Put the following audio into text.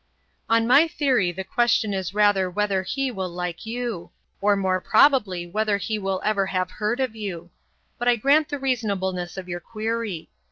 "On my theory the question is rather whether he will like you: or more probably whether he will ever have heard of you. But I grant the reasonableness of your query.